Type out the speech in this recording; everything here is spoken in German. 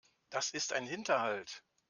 Das ist ein Hinterhalt.